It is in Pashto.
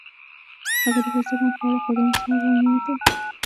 هغې د ښایسته بام په اړه خوږه موسکا هم وکړه.